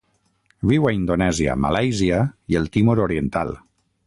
Viu a Indonèsia, Malàisia i el Timor Oriental.